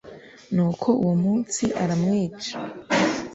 Nuko uwo munsi aramwica